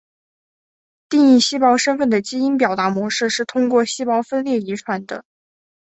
定义细胞身份的基因表达模式是通过细胞分裂遗传的。